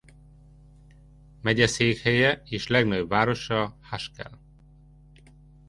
Megyeszékhelye és legnagyobb városa Haskell.